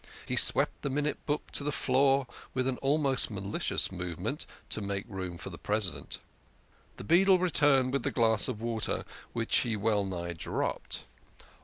He swept the Minute Book to the floor with an almost malicious movement, to make room for the President. The beadle returned with the glass of water, which he well nigh dropped.